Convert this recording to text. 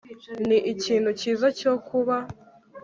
ni ikintu cyiza cyo kuba